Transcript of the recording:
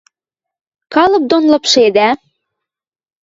Калып дон лыпшедӓ?..